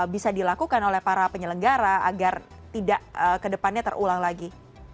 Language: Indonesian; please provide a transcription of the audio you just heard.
bisa dilakukan oleh para penyelenggara agar tidak kedepannya terulang lagi